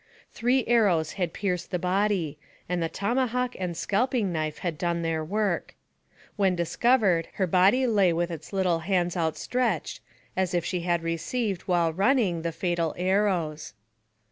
Three arrows had pierced the body, and the toma hawk and scalping knife had done their work. When discovered, her body lay with its little hands out stretched as if she had received, while running, the fatal arrows.